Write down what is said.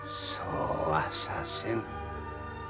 そうはさせん。